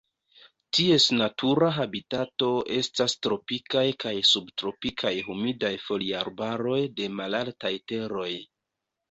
Ties natura habitato estas Tropikaj kaj subtropikaj humidaj foliarbaroj de malaltaj teroj.